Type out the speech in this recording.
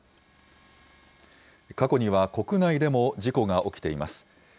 過去には国内でも事故が起きています。